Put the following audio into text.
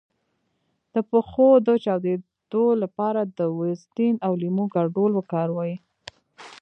د پښو د چاودیدو لپاره د ویزلین او لیمو ګډول وکاروئ